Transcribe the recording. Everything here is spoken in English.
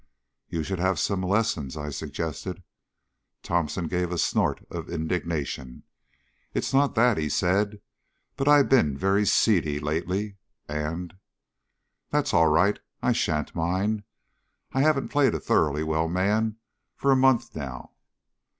"You should have some lessons," I suggested. Thomson gave a snort of indignation. "It's not that," he said. "But I've been very seedy lately, and " "That's all right; I shan't mind. I haven't played a thoroughly well man for a month, now."